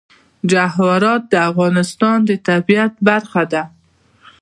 جواهرات د افغانستان د طبیعت برخه ده.